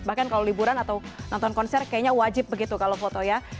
bahkan kalau liburan atau nonton konser kayaknya wajib begitu kalau foto ya